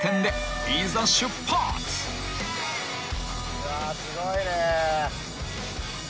うわすごいね。